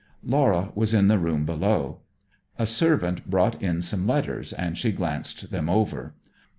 Laura was in the room below. A servant brought in some letters, and she glanced them over.